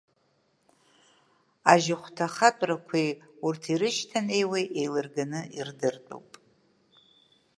Ажьыхәҭа хатәрақәеи, урҭ ирышьҭанеиуа еилырганы ирдыртәуп.